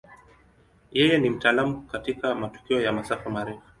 Yeye ni mtaalamu katika matukio ya masafa marefu.